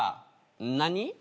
何？